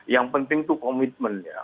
yang penting itu komitmen ya